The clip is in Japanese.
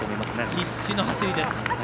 必死の走りです。